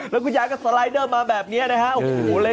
แล้วคุณยายกับสไลเดอร์มาแบบนี้นะครับ